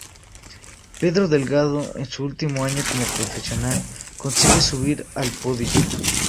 Pedro Delgado, en su último año como profesional, consigue subir al podio.